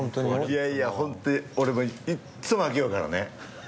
いやいやホント俺いっつも負けよるからね。